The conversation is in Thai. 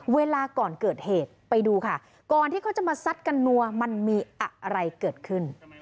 เวลาก่อนเกิดเหตุไปดูค่ะก่อนที่เขาจะมาซัดกันนัวมันมีอะไรเกิดขึ้น